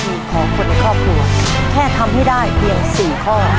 มีของคนในครอบครัวแค่ทำให้ได้เพียง๔ข้อ